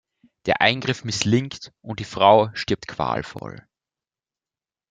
Der Eingriff misslingt und die Frau stirbt qualvoll.